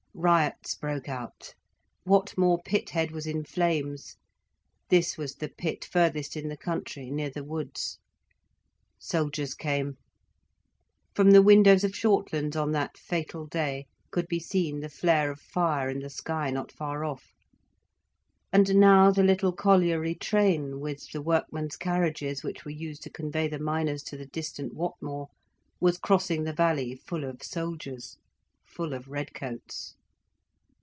Riots broke out, Whatmore pit head was in flames. This was the pit furthest in the country, near the woods. Soldiers came. From the windows of Shortlands, on that fatal day, could be seen the flare of fire in the sky not far off, and now the little colliery train, with the workmen's carriages which were used to convey the miners to the distant Whatmore, was crossing the valley full of soldiers, full of redcoats.